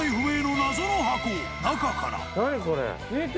何これ？